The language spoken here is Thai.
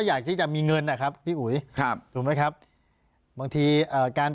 อยากที่จะมีเงินนะครับพี่อุ๋ยครับถูกไหมครับบางทีเอ่อการ